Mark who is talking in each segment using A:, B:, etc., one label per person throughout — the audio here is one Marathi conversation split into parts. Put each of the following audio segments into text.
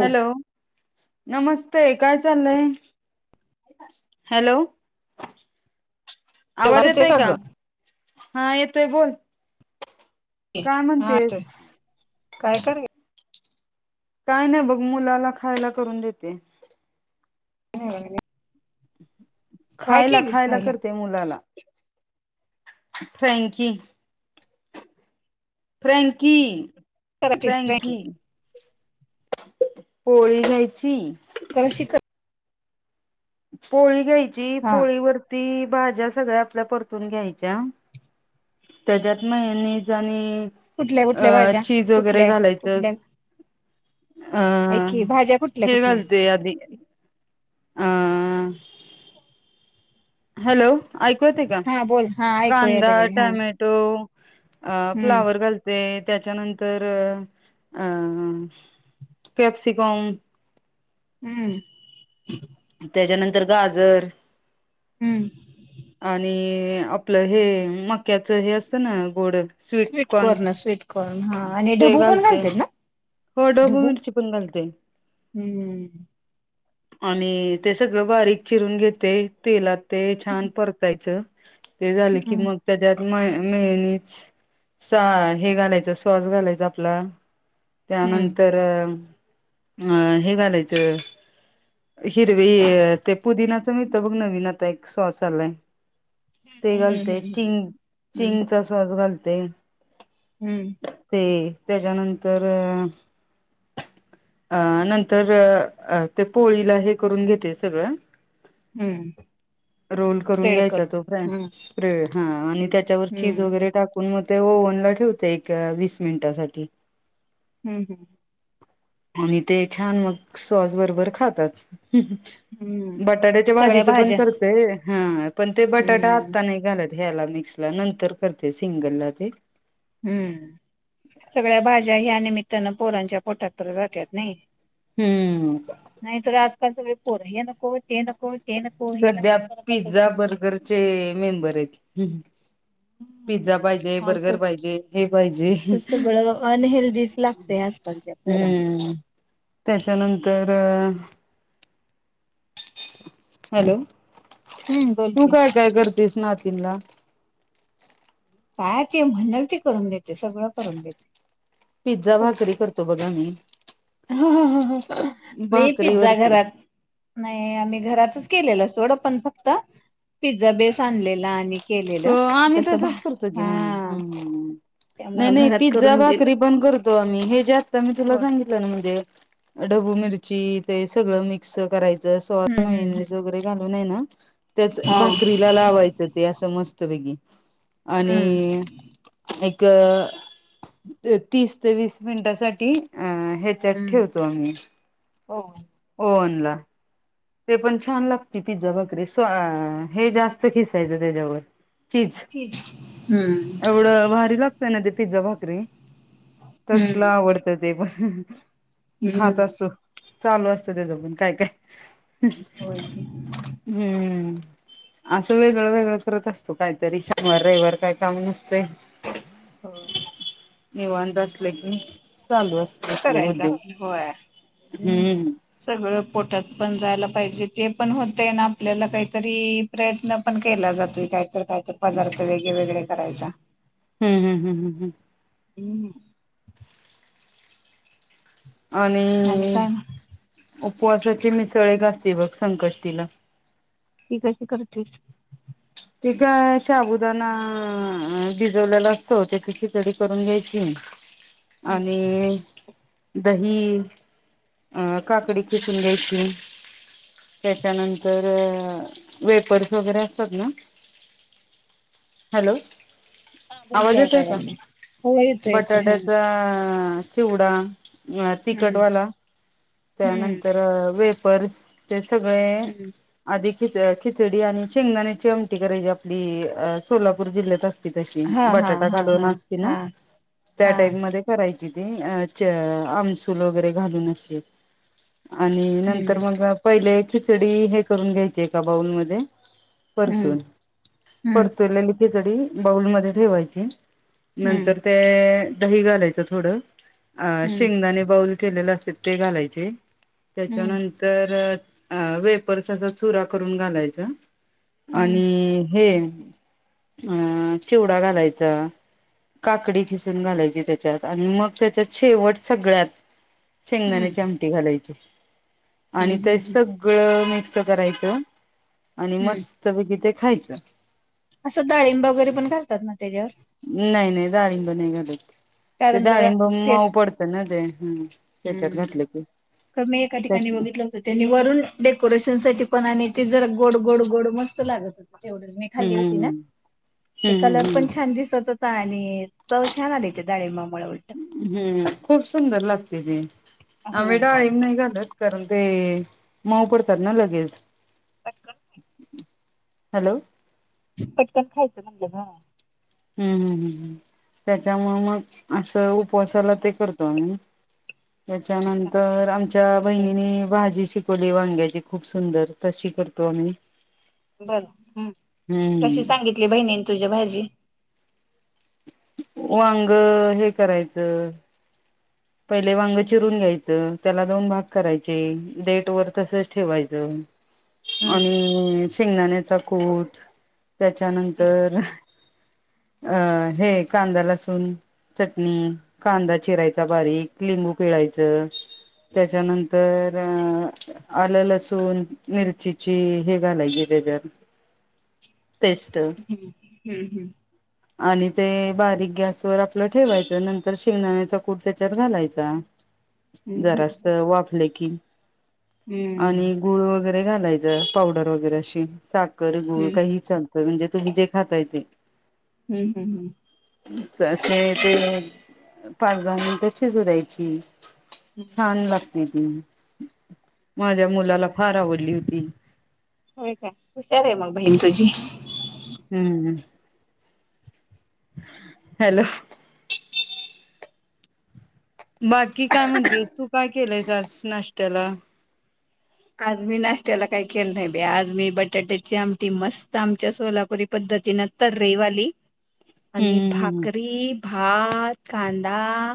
A: हॅलो नमस्ते काय चाललंय हॅलो आवाज येतोय का हा येतोय बोल काय
B: हा येतोय
A: म्हणतेस
B: काय कर
A: काय नाही बघ मुलाला खायला करून देते
B: अ
A: खायला खायला करते मुलाला फ्रँकी फ्रॅँकी
B: तसप्र
A: पोळी घ्यायची
B: कळ शिक
A: पोळी घ्यायची
B: हा
A: पोळीवररती भाज्या सगळ्या आपल्या परतून घ्यायच्या त्याच्यात मेहनज आणि
B: कुठल्या
A: अ
B: कुठल्या भाज्या
A: चीज वगैरे
B: कुठल्या
A: घालायचं
B: कुठल्या
A: हह
B: ऐकी भाज्या
A: ह
B: कुठल्या कुठल्या
A: हेगलते अदीी आ हॅलो ऐकवते का
B: हा बोल हा ऐकू यायला
A: कांदा
B: लागले हा
A: टमॅटो अ
B: हम्म
A: फ्लावर घालते त्याच्यानंतर अ कॅप्सिकॉम
B: हम्म
A: त्याच्यानंतर गाजर
B: हम्म
A: आणि आपलं हे मक्याचं हे असतं ना गोड
B: स्वीटकॉर्न स्वीटकॉर्न हा आणि
A: ते
B: ढबू पण
A: घालते
B: घालतेत ना
A: हो ढोबू
B: ढब्बू,
A: मिरची पण घालते
B: हम्म
A: आणि ते सगळं बारीक चिरून घेते तेलात ते छान परतायचं ते झाले की
B: हम्म
A: मग त्याच्यात म मेह हे घालायचं स्वास घालायच आपला
B: हम्म
A: त्यानंतर अं हे घालायचं हिरवी ते पुदिनाच मळत बघ नवीन आता एक सोस आलाय ते
B: हम्म
A: घालते चिंग
B: हम्म
A: चिंगचा स्वास घालते,
B: हम्म
A: ते त्याच्यानंतर अ नंतर ते पोळीला हे करून घेते सगळं
B: हम्म
A: रोल करून
B: स्प्रेड
A: घ्यायचा तो फा
B: हम्म
A: स्प्रेड हा आणि त्याच्यावर चीज
B: हम्म
A: वगैरे टाकून ते ओनला ठेवते एक वीस मिनिटासाठी
B: हम् हम्म
A: आणि ते छान मग सॉस बरोबर खातात,
B: हम्म
A: बटाट्याच्या
B: सगळ्या
A: भाजीच पण
B: भाज्या
A: करतेय हा पण ते बटाटा
B: हम्म
A: आता नाही घालत. ह्याला मिक्स ला नंतर करते सिंगल ला ते
B: हम्म सगळ्या भाज्या ह्या निमित्तानं पोरांच्या पोटात तर जातत नाही
A: हम्म
B: नाही तर आजकालच वे पोरही नको ते नको ते नको हे
A: सध्या
B: नको करत
A: पिझ्झा
B: असायचं.
A: बर्गरचे मेंबर आहेत हम पाहिजे
B: स बळं अनहेल्दीच लागतेय आजकालच्या होर ना
A: हम्म त्याच्यानंतर? हॅलो
B: हम्म बोल
A: तू
B: की
A: काय काय कर कृष्नातिला
B: काय ते म्हणणाल ती करून देते सगळं करून देते.
A: पिझ्झा भाकरी करतो बघा मी
B: मी पिझ्झा
A: बाकरीवररते
B: घरात नाही आम्ही घरातच केलेलं सोड आपण फक्त पिझ्झा बेस आणलेला आणि केलेलं कसं
A: प्रगे म्ह
B: हा
A: हम्म
B: त्यामुळं
A: नाही
B: घरात
A: पिझ्झा
B: करून दिलं.
A: भाकरी पण करतो आम्ही हे जे आता मी तुला
B: हो
A: सांगितलं म्हणजे ढबू मिरची ते सगळं मिक्स करायचं. स
B: हम्म
A: म
B: हम्म हम्म.
A: वगैरे घालून आहे ना त्याच
B: हा.
A: भाकरीला लावाच अस मस्त आणि
B: हम्म
A: अ तीस ते वीस मिनिटासाठी अ ह्याच्यात
B: हम्म.
A: ठेवतो आम्ही
B: हो.
A: फोन ला ते पण छान लागते ति्ज बकरी स हे जास्त खिसायचं त्याच्यावर चीज
B: हम्म.
A: एवढं भारी लागत ना ते पिझ्झा भाकरी
B: हम्म
A: तसला आवडत ते पण खात
B: हम्म.
A: अस चालू असत त्याज पून काय काय
B: होय की.
A: हम्म असं वेगळं वेगळं करत असतो काहीतरी शनिवार रविवार काय काम नसते.
B: हो,
A: निवांत असले की, चालू अस
B: करायचं आपलं होय हम्
A: हम्म
B: सगळं पोटात पण जायला पाहिजे, जे पण होते ना, आपल्याला काहीतरी प्रयत्न पण केला जातोय काहीतरी, काय तर पदार्थ वेगवेगळे करायचा.
A: हम्म हम्म हम्म हम्म हम्.
B: हम.
A: आणि,
B: काय मग
A: उपवासाचे मिसळ एक असते बघ संकष्टीला.
B: ती कशी करतीस.
A: ती का शाबुदाना भिजवलेला असतो, त्याची खिचडी करून घ्यायची,
B: हम्म
A: आणि, दही अं काकडी खिसून घ्यायची. त्याच्यानंतर वेपर्स वगैरे असतात ना, हॅलो.
B: हा बोल की
A: आवाज येतोय
B: ऐकाय
A: का
B: लागले. हो येतोय येतोय हा
A: बटाट्याचा, चिवडा
B: हम्म.
A: तीखटवाला
B: हम्म.
A: त्यानंतर, वे पर्स ते सगळे
B: हम्म.
A: आधी खिच खिचडी आणि शेंगदाण्याचे आमटी करायची, आपली सोलापूर जिल्ह्यात अस ती तशी,
B: हा हा
A: बटाटा
B: हा
A: घालून
B: हा
A: असते ना
B: हा
A: त्या
B: हा
A: टाईप मध्ये करायची. तिथे च.. आमसूल वगैरे घालून अशी. आणि नंतर
B: हम्म
A: मग पहिले, खिचडी हे करून घ्यायची एका का बाऊलमध्ये.
B: हम्म
A: परतून
B: हम्म.
A: परतवलेली खिचडी बाऊलमध्ये ठेवायची.
B: हम्म
A: नंतर ते दही घालायचं थोडं, अ
B: हम्म
A: शेंगदाने बाऊल केलेलं असत ते घालायचे
B: हम्म
A: त्याच्यानंतर, अ वेपर्सचा चुरा करून घालायचा.
B: हम्म
A: आणि हे अ चिवडा घालायचा. काकडी खिसून घालायची त्याच्यात आणि मग त्याचात शेवट सगळ्यात. शेंगदाने
B: हम्म
A: ची आमटी घालायची. आणि
B: हम्म
A: ते
B: हम्म
A: सगळं मिक्स करायचं, आणि
B: हम्म
A: मस्त [unintelligible] ते खायचं.
B: असं डाळिंब वगैरे पण घालतात ना तेच्यावर.
A: नाही नाही डाळिंब नाही घालत, ते
B: कारण जरा
A: डाळिंब मऊ
B: तेच
A: पडतं ना ते. हम्म त्याच्यात
B: हम्म
A: घातलं की,
B: तर मी एका ठिकाणी
A: त्या
B: बघितलं होत. त्यांनी वरून डेकोरेशन साठी पण आणि ते जरा गोड गोड गोड मस्त लागत होत. जेवढच मी खाल्ली
A: हम्म
B: होती ना, ते
A: हम्म
B: कलर पण
A: हम्म
B: छान दिसत होता आणि, चव छान आली होती, डाळिंबा मुळ उलट.
A: हम्म खूप [unintelligible] आम्ही
B: होय होय
A: डाळिंब नाही
B: होय
A: घालत कारण ते, मऊ पडत्यात ना लगेच.
B: [unintelligible]
A: हॅलो.
B: पटकन खायचं म्हणलं गं,
A: हम्म हम् हम् हम्. त्यांच्यामुळ मग असं उपवासाला ते करतो आम्ही.
B: होतंय
A: त्याच्यानंतर, आमच्या
B: वेगळं काहीतरी
A: बहिणीने भाजी शिक कवली वांग्याची खूप सुंदर तशी करतो आम्ही.
B: बर
A: हम्म
B: कशी सांगितली. बहिणीने तुझ्या भाजी,
A: वांग हे करायचं, पहिले वांग चिरून घ्यायचं, त्याला दोन भाग करायचे डेट वर तसच ठेवायचं.
B: हम्म
A: आणि शेंगदाण्याचा कूट
B: हम्म
A: त्याच्यानंतर, अ हे कांदा लसून चटणी कांदा चिरायच चा बारीक लिंंगू खिळायचं. त्याच्यानंतर अ आलं लसूण मिरचीची हे घालायची. तेच्यात
B: हम्म हम्म हम्म
A: आणि ते बारीक गॅसवरर आपलं ठेवायचं नंतर शेंगदाणे कुट कूट त्याच्यात घालायचा.
B: हम्म
A: जरास वाफले की,
B: हम्म
A: आणि गुळ वगैरे घालायचं पावडर वगैरे अशी साखर गुळ
B: हम्म
A: काही चालत. तर म्हणजे तुम्ही जे खाताय ते‌.
B: हम्म हम्म हम्म
A: कसे ते पाचगनी कशी सुडायची. छान लागते ती. माझ्या मुलाला फार आवडली होती.
B: हो काय हुशार आहे मग बहीण तुझी.
A: हम्म हॅलो बाकी काय म्हणतीस तू काय केलंयस आस नाश्त्याला.
B: आज मी नाश्याला काही केलं नाही बे आज मी बटाट्याची आमटी मस्त आमच्या सोलापुरी पद्धतीन तर्रेवाली, आणि
A: हम्म हम्म
B: भाकरी भात कांदा.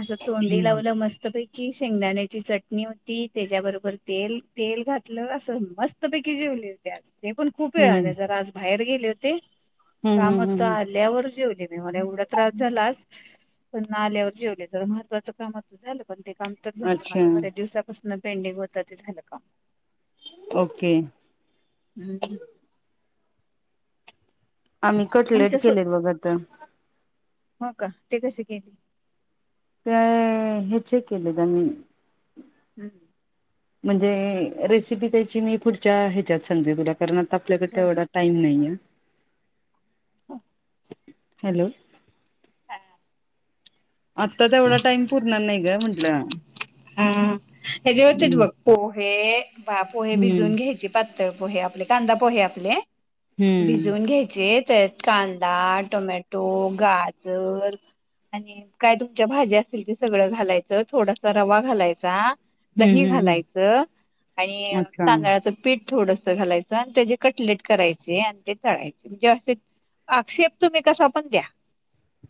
B: असं तोंडी
A: हम्म
B: लावलं मस्तपैकी शेंगदाण्याची चटणी होती त्याच्याबरोबर तेल तेल घातलं असं मस्तपैकी जेवलेते आज- ते पण खूप वेळाने
A: हम्म
B: जरा आज बाहेर गेले होते.
A: हम्म
B: कामहोत
A: हम्म
B: आल्यावर जेवले मी मला एवढा त्रास झालास. पण आल्यावर जेवले ज महत्त्वाचं काम झालं पण ते काम तर झालं
A: अच्छा
B: माझं बर्या दिवसापासून पेंडिंग होत ते झालं का
A: ओके
B: हम्
A: आम्ही कटलेट
B: आमच्या सो
A: केलेत बघा तर.
B: हो का ते कसे केली.
A: त्याय हेचे केले त्यांनी.
B: हम्म हम्
A: म्हणजे रेसिपी त्याची मी पुढच्या ह्याच्यात सांते तुला. कारणता आपल्याकडे
B: चालतंय.
A: तेवढा टाईम नाहीये.
B: हम
A: हॅलो आत्ता तेवढा टाइम पुरणार नाही ग म्हंटलं.
B: हा हचेे होते
A: हम्म
B: बघ पोहे बा पोहे
A: हम्म
B: भिजून घ्यायचे पात ळ पोहे आपले कांदा पोहे आपले
A: हम्म
B: भिजवून घ्यायचे. कांदा टोमॅटो गाजर, [inaudible] घालाय दही
A: हम्म हम्म
B: घालायच आणि
A: अच्छा
B: तांदळाचं पीठ थोड. घालायच आणि त्याचे कटलेट करायचे आणि ते तढयचे म्हणजे असे, आक्षेप तुम्ही कसा पण द्या.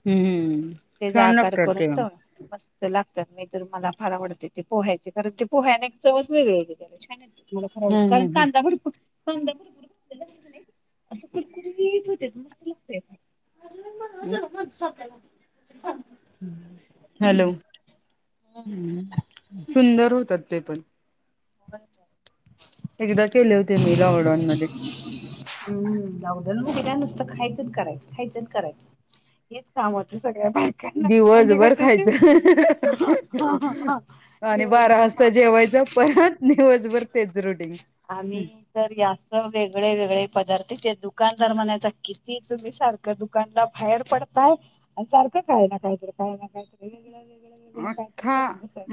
A: हम्म
B: ते
A: छान
B: आकार
A: लागतात ते
B: करून तळा मस्त लागत. तर मी तर मला फार आवडते ते पोह्याचे कारण ते पोह्यानेवस वेगवेगळे छान येत. मलाराव
A: हम्म
B: कारण
A: हम्म
B: कांदा बडकू कांदा गुर नाही असं कुरकुरीत होते मस्त लागतय.
A: हम्म कअकक हॅलो सुंदर होतात ते पण.
B: हो ब
A: एकदा केले होते मी लॉकडाऊन मध्ये.
B: हम्म जाऊ दे नुसतं खायचं करायचं खायचं करायचं हेच काम हो.
A: दिवस बर खायचं आणि बारा
B: दिवसभर
A: वाजता
B: काम
A: जेवायच परत दिवसभर तेच रुटीन
B: आम्ही तर यास वेगळे वेगळे पदार्थ ते दुकानदार म्हणायचा की की तुम्ही सारखं दुकानला बाहेर पडताय आणि सारखं काय ना कायतर काय ना कायतरी वेगळं व
A: अख्खा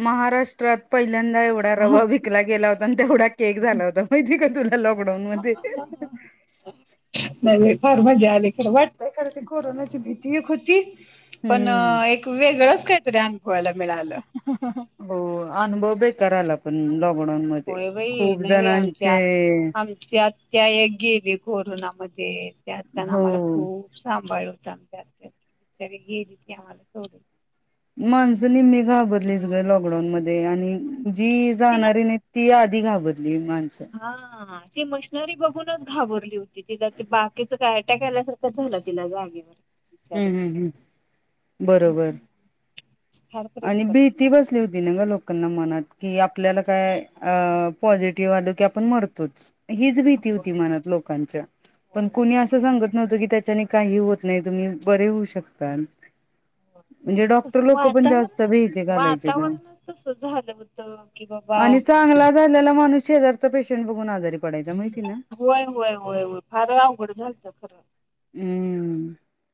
A: महाराष्ट्रात पहिल्यांदा एवढा रवा विकला गेला होता आणि तेवढा केक झाला होता माहितीय का तुला लॉकडाऊन मध्ये
B: नाही बाई फार मजा आली पण येयेकदा वाटतय खरं कोरोनाची भीती एक होती पण
A: हम्म
B: एक वेगळंच कायतरी अनुभवायला मिळालं
A: हो अनुभव बेकार आला पण लॉ ओडानमध्ये
B: होय बाई
A: खूप जणांचे
B: त्या एक गेली कोरोनामध्ये त्यात त्याण आम्हाला
A: हो
B: खूप सांभाळ चांगली आत्या बिचारी गेली की आम्हाला सोडून
A: माणसं निम्मी घाबरलीच ग लॉ ओडानमध्ये आणि
B: सोडून
A: जी
B: तिला
A: जाणारी न्हईत ती आधी घाबरली माणसं
B: हा ती मशनरी बघूनच घाबरली होती तिला ते बाकीच काय आट्याक आल्यासारखं झालं तिला जागेवर बिचारी
A: हम्म हम् हम् बरोबर
B: फार प्रेम
A: आणि
B: करत होती
A: भीती बसली
B: आमच्यावर
A: होती ना ग लोकांना मनात की आपल्याला काय पॉझिटिव्ह आलो की आपण मरतोच हीच भीती
B: होय
A: होती मनात लोकांच्या
B: होय
A: पण
B: होय होय
A: कोणी असं सांगत नव्हत की त्याच्या काही होत नाही तुम्ही बरे होऊ शकतान
B: होय
A: म्हणजे डॉक्टर
B: तसं
A: लोक पण जा च
B: वातावरणच
A: भिती घालायचे ग
B: वातावरणच तसं झालं होतं की बाबा
A: आणि चांगला झालेला मानुस शेजारचा पेशंट बघून आजारी पडायचा मा
B: होय होय होय होय फार आवघड झालत खर
A: हम्म.